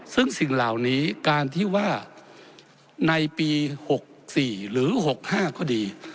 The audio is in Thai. ซึ่งสิ่งเหล่านี้การที่ว่าในปี๖๔หรือ๖๕ก็ดี